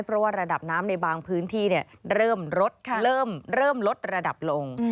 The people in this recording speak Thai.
เพราะว่าระดับน้ำในบางพื้นที่เริ่มลดเริ่มลดระดับลง